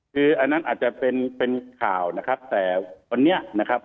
คืออันนั้นอาจจะเป็นเป็นข่าวนะครับแต่วันนี้นะครับ